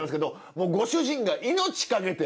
もうご主人が命かけて。